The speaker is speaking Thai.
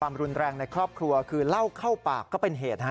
รุนแรงในครอบครัวคือเล่าเข้าปากก็เป็นเหตุ